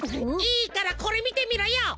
いいからこれみてみろよ！